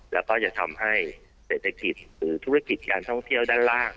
แล้วก็จะทำให้เศรษฐกิจหรือธุรกิจการท่องเที่ยวด้านล่าง